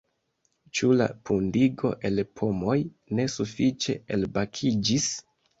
Ĉu la pudingo el pomoj ne sufiĉe elbakiĝis?